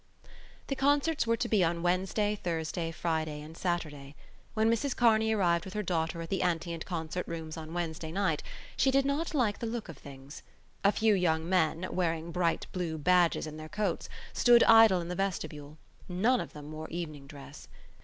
The concerts were to be on Wednesday, Thursday, Friday and Saturday. When Mrs Kearney arrived with her daughter at the Antient Concert Rooms on Wednesday night she did not like the look of things. A few young men, wearing bright blue badges in their coats, stood idle in the vestibule; none of them wore evening dress.